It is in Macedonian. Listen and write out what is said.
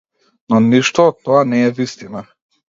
Но ништо од тоа не е вистина.